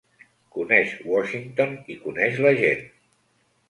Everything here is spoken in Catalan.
Coneix Washington i coneix la gent.